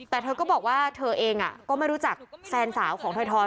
แต่เธอก็บอกว่าเธอเองก็ไม่รู้จักแฟนสาวของถอย